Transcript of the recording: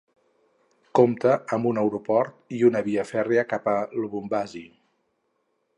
Compta amb un aeroport i una via fèrria cap a Lubumbashi.